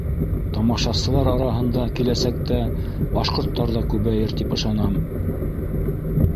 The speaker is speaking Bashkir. Тамашасылар араһында киләсәктә башҡорттар ҙа күбәйер, тип ышанам.